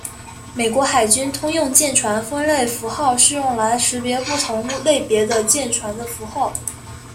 美国海军通用舰船分类符号是用来识别不同类别的舰船的代号。